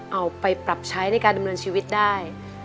เอาไปปรับใช้ในการดำเนินชีวิตได้